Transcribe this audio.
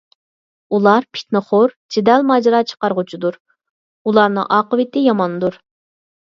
ئۇلار پىتنىخور، جېدەل - ماجىرا چىقارغۇچىدۇر. ئۇلارنىڭ ئاقىۋىتى ياماندۇر.